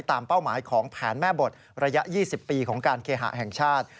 เป้าหมายของแผนแม่บทระยะ๒๐ปีของการเคหะแห่งชาติ